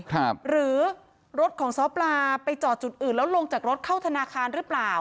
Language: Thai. หรือรถของซ้อปลาไปจอดจุดอื่นแล้วลงจากรถเข้าธนาคารหรือเปล่า